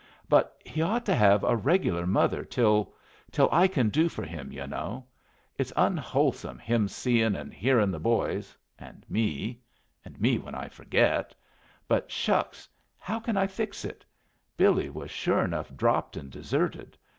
But he'd ought to have a regular mother till till I can do for him, yu' know. It's onwholesome him seeing and hearing the boys and me, and me when I forget! but shucks! how can I fix it? Billy was sure enough dropped and deserted.